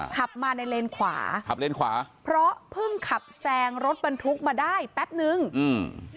ขับมาในเลนขวาขับเลนขวาเพราะเพิ่งขับแซงรถบรรทุกมาได้แป๊บนึงอืม